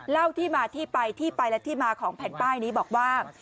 เล่าที่มาที่ไปที่ไปและที่มาของแผ่นป้ายนี้บอกว่า